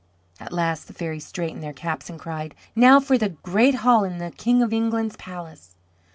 At last the fairies straightened their caps and cried, "Now for the great hall in the King of England's palace!"